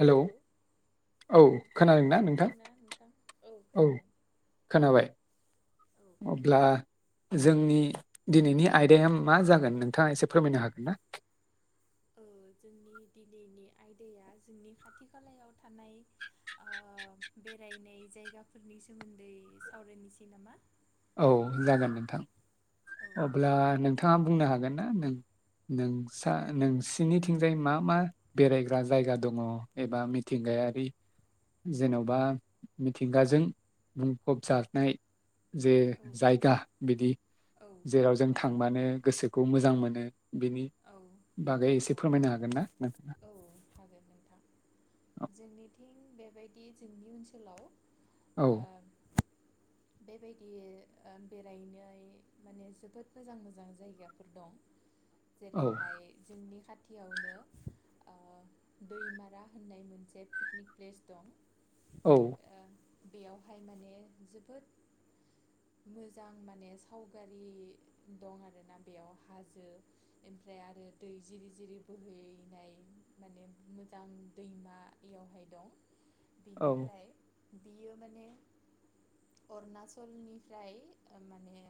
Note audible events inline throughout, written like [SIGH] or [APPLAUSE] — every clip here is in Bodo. हेलौ औ खोनादोंना नोंथां? औ खोनाबाय औ अब्ला जोंनि दिनैनि आयदाया मा जागोन नोंथाङा एसे फोरमायनो हागोन ना? औ जोंनि दिनैनि आयदाया जोंनि खाथि खालायाव थानाय ओ बेरायनाय जायगाफोरनि सोमोन्दै सावरायनोसै नामा? औ जागोन नोंथां औ अब्ला नोंथाङा बुंनो हागोन ना नों नोंसा नोंसिनिथिंजाय मा मा बेरायग्रा जायगा दङ एबा मिथिंगायारि जेन'बा मिथिंगाजों बुंफब जानाय जे औ जायगा बिदि। औ जेराव जों औ थांबानो गोसोखौ मोजां मोन नो। बेनि बागै औ एसे फोरमायनो हागोन ना नोंथाङा? औ हागोन नोंथां औ। जोंनिथिं बेबायदि जोंनि ओनसोलाव औ। ओ बेबायदि ओ बेरायनो हायो माने जोबोद मोजां मोजां जायगाफोर दं। औ जेरैहाय जोंनि खाथ थियावनो ओ दैमारा होननाय मोनसे पिकनिक प्लेस दं। औ। ओ बेयावहाय माने जोबोद मोजां माने सावगारि दं आरोना बेयाव हाजो इनिफ्राय आरो दै जिरि जिरि बोहैनाय माने मोजां दैमा बियावहाय दं। औ बिनिफ्राय बियो माने अरुणाचलनिफ्राय माने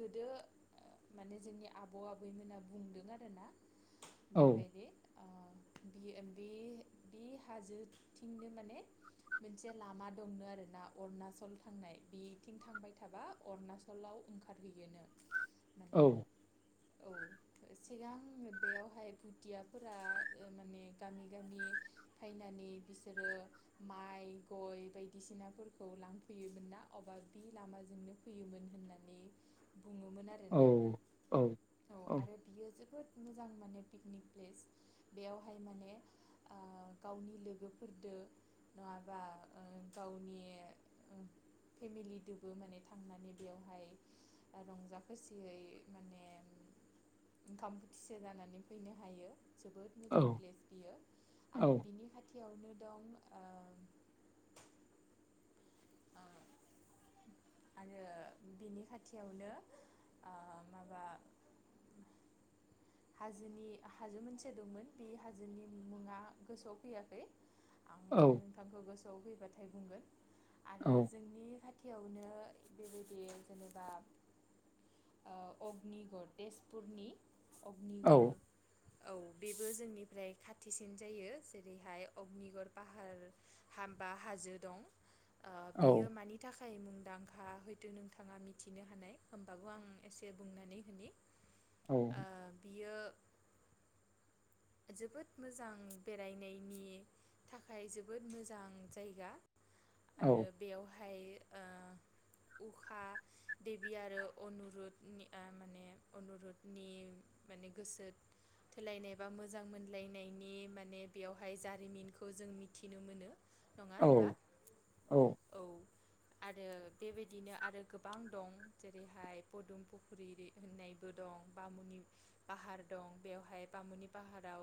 गोदो माने जोंनि आबौ आबैमोनहा बुंदों आरो ना औ बेबायदि ओ बि बि बि हाजोथिंनो माने मोनसे लामा दंनो आरोना अरुणाचल थांनाय बिथिं थांबाय थाबा अरुणाचलाव ओंखारहैयोनो। औ माने औ सिगां बेयावहाय भुदियाफोरा माने गामि गामि फैनानै बिसोरो माइ गय बायदिसिनाफोरखौ लांफैयोमोन ना अबा बि लामाजोंनो फैयोमोन होननानै। बुङोमोन औ आरोना। औ औ आरो बियो जोबोद। मोजां माने पिकनिक प्लेस बेयावहाय माने ओ गावनि लोगोफोरदो नङाबा ओ गावनि फेमिलिदोबो माने थांनानै बेयावहाय रंजा खुसियै माने। ओंखाम बोथिसे जानानै फैनो हायो। जोबोद मोजां प्लेस बियो औ आरो बिनि खाथि। खाथियावनो दं ओ। ओ आरो बिनि खाथियावनो आ माबा। हाजोनि हाजो मोनसे दंमोन बे हाजोनि मुङा गोसोआव फैयाखै। आं औ नोंथांखौ गोसो। औ फैबाथाय बुंगोन। आरो जोंनि खाथि। खाथियावनो बेबायदि जेनेबा ओ अग्निगड़ तेजपुरनि। औ अग्निगड़। औ बेबो जोंनिफ्राय खाथिसिन जायो जेरैहाय अग्निगड़ पाहार हा बा हाजो दं। ओ बियो मानि थाख। खाय मुंदांखा हयथ' नोंथाङा मिथिनो हानाय होमबागो आं एसे बुंनानै होननि। औ। ओ बियो। जोबोद मोजां बेरायनायनि थाखाय जोबोद मोजां जायगा। आरो बेयावहाय। हाय ओ उखा देबि आरो अनुरुद नि ओ माने अनुरुदनि माने गोसो थोलायनाय एबा मोजां मोनलायनायनि माने बेवहाय जारिमिनखौ जों मिथिनो मोनो। नङा होनबा औ। आरो बेबायदिनो आरो गोबां दं जेरैहाय फदुं फुख्रि होननायबो दं बामुनि फाहार दं बेवहाय बामुनि। पाहाराव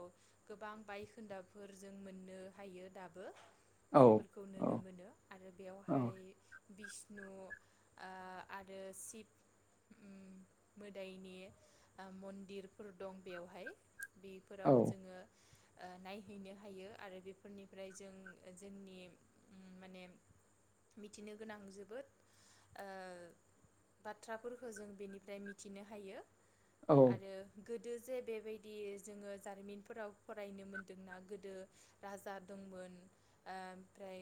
गोबां बायखोन्दाफोर जों मोननो हायो दाबो बेफोरखौ नुनो मोनो आरो बेयावहाय। बिष्णु ओ आरो शिब मोदायनि मन्दिरफोर दं बेवहाय। बेफोराव जोङो। ओ नायहैनो हायो आरो बेफोरनिफ्राय जों जोंनि माने मिथिनो गोनां जोबोद ओ बाथ्राफोरखौ जों बेनिफ्राय मिथिनो हायो। औ आरो। गोदो जे बेबायदि। जोङो जारिमिनफोराव फरायनो मोनदोंना गोदो राजा दंमोन ओमफ्राय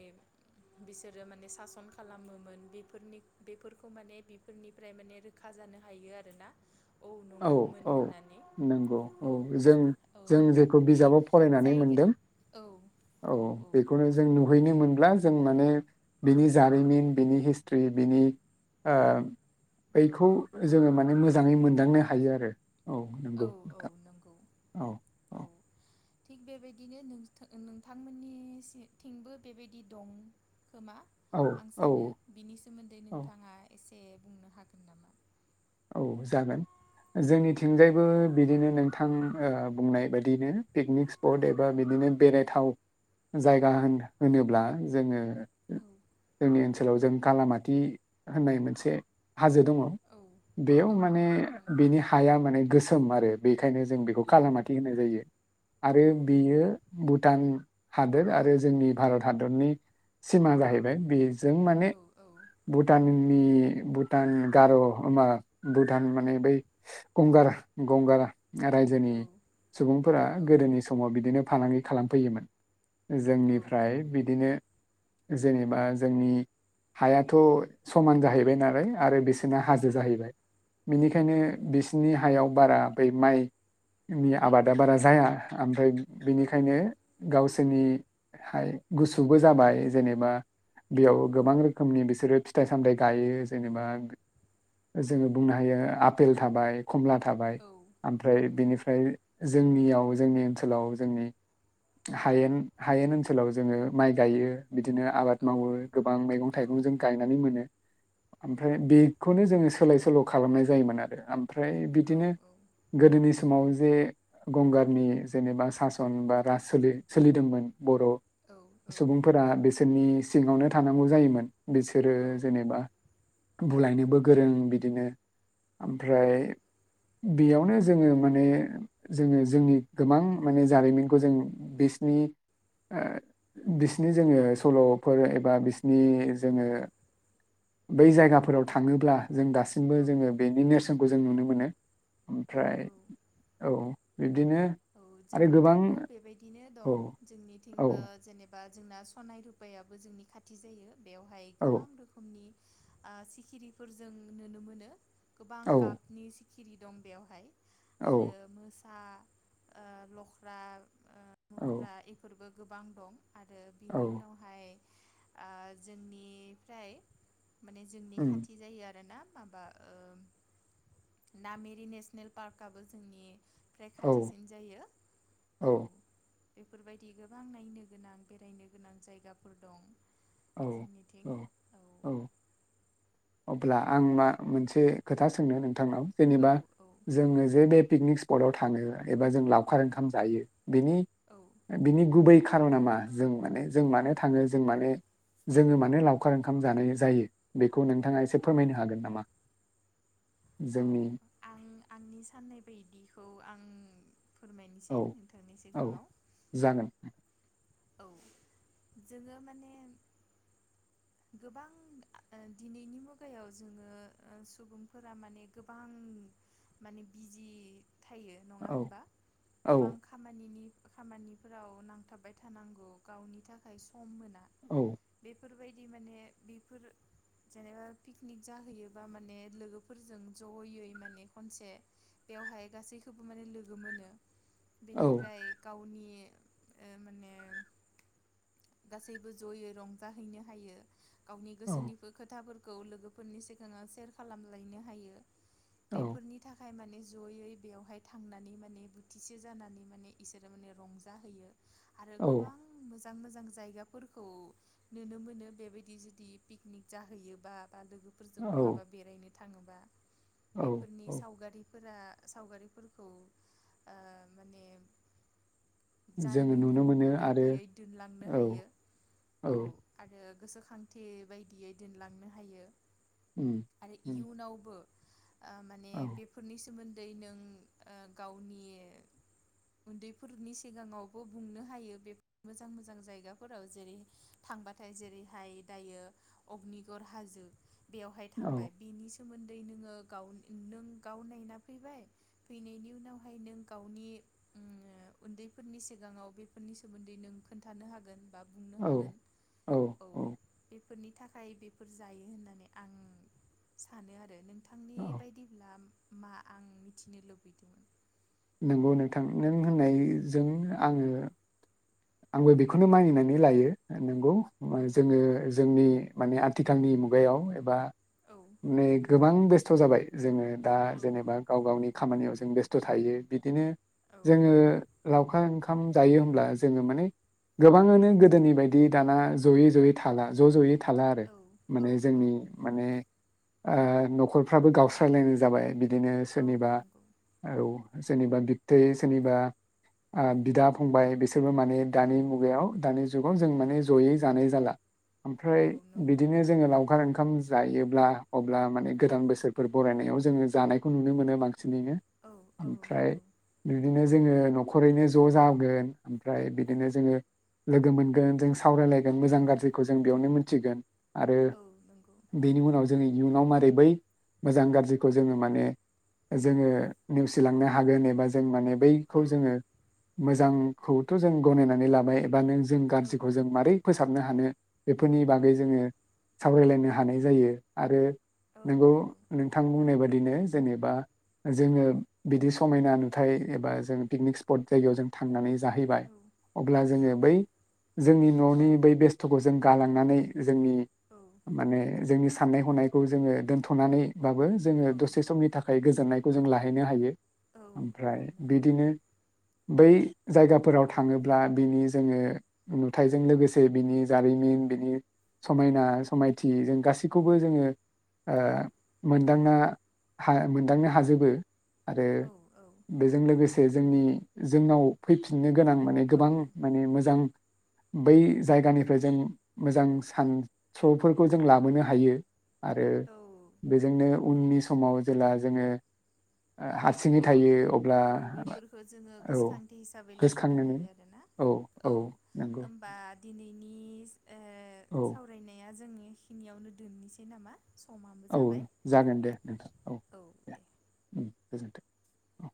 बिसोरो माने सासन खालामोमोन बेफोरनि बेफोरखौ माने बेफोरनिफ्राय माने रोखा जानो हायो आरोना। औ नंगौमोन औ होननानै नंगौ औ जों। औ जों जेखौ नोंथांमोननि बिजाबाव फरायनानै जायगा मोनदों औ औ बेखौनो जों नुहैनो मोनब्ला। जों माने बिनि जारिमिन बिनि हिसत्री बिनि ओ औ बैखौ जोङो माने मोज जाङै मोनदांनो हायो आरो नंगौ औ औ नोंथां नंगौ औ औ थिग बेबायदिनो नोंथा-नोंथां मोननि थिंबो बेबादि दं खोमा औ आं औ सानो बिनि सोमोन्दै औ नोंथाङा एसे से बुंनो हागोन नामा औ जागोन औ जोंनिथिंजायबो बिदिनो नोंथां ओ बुंनाय बायदिनो पिकनिक [UNINTELLIGIBLE] एबा औ बिदिनो बेरायथाव जायगा होन होनोब्ला जोङो [UNINTELLIGIBLE] जोंनि ओनसो लाव जों कालामालामाति होननाय मोनसे हाजो दङ' औ इयाव औ औ माने नंगौ बिनि हाया माने गोस सोम आरो बेख खायनो जों बेखौ औ कालामाति होननाय जायो आरो औ औ बेयो बुटान हादोर आरो जोंनि भारत हादरनि सिमा जाहैबाय बे जों माने औ बुटाननि बुटान गार'मा बुटान माने बै गंगार गंगारा आरो जोंनि रायजोनि औ सुबुंफोरा औ गोदोनि समाव बिदिनो फालांगि खालामफैयोमोन औ जोंनिफ्राय बिदिनो जेनेबा जोंनि हायाथ' समान जाहैबाय नालाय आरो बिस ना हाजो उम जाहैबाय बेनिखायनो औ नंगौ बिसिनि हायाव बारा बै माइ नि आबादा बारा जाया आमफ्राय औ बिनिखायनो गावसो सोरनि हाय गुसुबो जाबाय जेनेबा बेयाव औ गोबां रोखोमनि बिसोरो फिथाइ सामथाइ गायो जेनेबा जोङो बुंनो हायो आपेल थाबाय खमला थाबाय औ आमफ्राय औ बेनिफ्राय जोंनियाव जोंनि ओनसोलाव जोंनि हायेन औ हायेन ओनसोलाव जोङो माइ गायो बिदिनो आबाद मावो गोबां मैगं -थाइगं जों गायनानै मोनो ओमफ्राय बेखौनो जोङो स सोलाय सोल' खालामनाय जायोमोन आरो आम फ्राय बिदिनो औ गोदोनि समाव जे गंगारनि जेनेबा सासन बा राज सोलि सोलिदोंमोन। बर' सुबुंफोरा बिसोरनि सिङावनो थानांगौ जायोमोन। बिसोरो जेनेबा बुलायनोबो गोरों बिद बिदिनो आमफ्राय बेयावनो जोङो माने जोङो जोंनि गोबां माने जारिमिनखौ जों बिसिनि ओ बिसिनि जोङो सल'फोर एबा बिसिनि नि जोङो बै जायगाफोराव थाङोब्ला जों गास थिंबो औ जोङो बेनि नेरसोन खौ जों नुनो मोनो। औ ओमफ्राय औ औ। [UNINTELLIGIBLE] औ आरो गोबां जोंनिथिंबो बेबायदिनो दं औ औ जोंनिथिंबो जेनेबा जोंना सनाय रुपायाबो जोंनि खाथि जायो। बेवहाय गोबां औ रोखोमनि ओ सिखिरिफोरजों नुनो मोनो। गोबां गाबनि खिरि दं बेवहाय। औ आरो मोसा ओ लख्रा औ मुख्रा इफोरबो गोबां दं। आरो औ बिनि उनावहाय ओ जोंनिफ्राय माने जोंनि उम खाथि जायो आरोना। माबा ओ नामेरि नेसनेल पार्कआबो जोंनि औ खाथिसिन जायो औ। बेफोरबायदि गोबां नायनो गोनां बेरायनो गोनां जायगाफोर दं। औ जोंनिथिं औ। अब्ला आं मा मोनसे खोथा सोंनो नों थांनाव औ जेनेबा जोङोजे बे पिकनिक स्पटाव थाङो एबा जों औ लावखार ओंखाम जायो बेनि औ बिनि गुबै खारना मा जों माने जों मानो थाङो जों माने जोङो मानो लावखार ओंखाम जानाय जायो बेखौ नोंथाङा एसे फोरमायनो हागोन नामा? औ जोंनि आं आंनि साननाय बायदिखौ आं फोरमायनिसै औ नोंथांनि औ सिगाङाव। जागोन औ जोङो माने गोबां आ दिनैनि मुगायाव जोङो ओ सुबुंफोरा माने गोबां माने बिजि थायो नङा औ होनबा, औ गोबां खामानिनि खामानिफोराव नांथाबबाय थानांगौ गावनि थाखाय सम मोना औ बे बेफोरबायदि माने बिफोर जेनेबा पिकनिक जाहैयोबा माने लोगोफोरजों जयै माने खनसे बेवहाय गासैखौबो माने लोगो मोनो औ बेनिफ्राय गावनि ओ माने गासैबो जयै रंजाहैनो हायो गावनि गोसोनिबो खोथाफोर खौ लोगोफोरनि सिगाङाव सेयार खालामलायनो हायो। औ बेफोरनि थाखाय माने जयै बेवहाय थांनानै माने बोथिसे जानानै माने इसोरो माने रंजाहैयो। आरो गोबां मोजां मोजां मोजां जायगाफोरखौ नुनो मोनो बेबायदि जुदि पिकनिक जाहैयोबा बा लोगोफोरजों औ बहाबा बेरायनो थाङोबा औ बेफोरनि औ सावगारि फोरा सावगारिफोरखौ ओ माने जोङो जारिमिन नुनो होन मोनो आरो बायदियै दोनलांनो औ हायो औ आरो गोसोखांथि बायदियै दोनलांनो हायो। उम आरो उम इयुनावबो ओ माने औ बेफोरनि सोमोन दै नों गावनि उन्दैफोरनि सिगाङाव बो बुंनो हायो बे मोजां मोजां जायगाफोराव जेरै थांबाथाय जेरैहाय दायो अग्निगर हाजो बेयावहाय औ थांबाय बिनि सोमोन्दै नोङो गाव नों गाव नायना फैबाय फैनायनि उनावहाय नों गावनि उम-ओ उन्दैफोरनिसिम सिगाङाव बेफोरनि सोमोन्दै नों खोन्थानो हागोन बा बुंनो औ हागोन औ बे फोरनि थाखाय बेफोर जायो होननानै आं सानो आरो नों थांनि औ बायदिब्ला मा आं मिथिनो लुबैदोंमोन नंगौ नोंथां नों होननायजों आङो आंबो बेखौनो मानिनानै लायो नंगौ औ जोङो जोंनि माने आथिखालनि मुगायाव एबा औ नै गोबां बे स्थ जाबाय जोङो दा औ जेनेबा गाव गावनि खामानियाव जों बेस्थ थायो बिदिनो औ जोङो लावखार ओंखाम जायो होमब्ला जोङो माने गोबाङानो गोदोनि बायदि दाना जयै जयै थाला ज जयै थाला आरो माने औ औ जोंनि माने ओ नखरफ्राबो गावस्रायलायनाय जाबाय बि दिनो औ सोरनिबा नंगौ औ सोरनिबा बिबथै सोरनिबा आ बिदा उम फंबाय बिसो रबो माने औ दानि मुगायाव दानि जु खौ जों माने जयै जानाय जाला ओमफ्राय औ नंगौ बिदिनो जोङो लावखार ओंखाम जायोब्ला अब्ला माने औ गोदान बोसोरफोर बरायनायाव जोङो जानायखौ नुनो मोनो बां सिनैनो औ औ ओमफ्राय नंगौ बिदिनो जोङो न खरैनो ज जागोन ओमफ्राय बिदिनो जोङो लोगो मोनगोन जों सावरायलाय गोन मोजां औ गाज्रिखौ जों बेयावनो मि थिगोन आरो औ नंगौ बेनि उनाव जोंनि इयुनाव मारै बै मोजां गाज्रिखौ जोङो माने जोङो औ नेवसिलांनो हागोन एबा जों माने बैखौ औ जोङो मो जां खौथ जों गनायनानै लाबाय एबा नों जों औ गारजि खौ जों मारै फोसाबनो थारनो हानो बेफोरनि बागै जोङो सावरायलायनो हा हानाय जायो आरो औ नोंगौ नंगौ नोंथां बुंनाय बादि दिनो जेनेबा जोङो बिदि समायना नुथाइ एबा जों पिकनिक स्पॉट जायगायाव जों थांनानै जाहैबाय औ अब्ला औ जोङो बै जोंनि न'नि बै बेस्थ'खौ जों गालांनानै जोंनि औ माने जोंनि सा ननाय हनायखौ जोङो दोनथ'नानैबाबो जोङो दसे समनि थाखाय गोजोननायखौ जों लाहैनो हायो। औ औ ओमफ्राय नंगौ बिदिनो बै जायगाफोराव थाङोब्ला बिनि जोङो नुथाइजों लोगोसे बिनि जारिमिन बिनि समायना समायथि जों गासैखौबो जोङो ओ मोनदांना हा मोनदांनो हाजोबो। आरो औ औ बेजों लोगोसे जोंनि जोंनाव फैफिननो गोनां माने गोबां औ माने मोजां बै जायगानिफ्राय जों मोजां सानस'फोरखौ जों लाबोनो हायो। आरो औ बेजोंनो उननि समाव जेला जोङो ओ हारसिङै थायो अब्ला औ बेफोरखौ जोङो औ गोसोखांथि हिसाबै लाखिनो गोसोखांनोनो हायो आरो ना औ ओमबा दिनै उनिस ओ औ सावरायनाया जोंनि बेखिनियावनो दोननिसै नामा? समाबो औ जाबाय जागोन दे नोंथां औ दे ओम। गोजोनथों औ।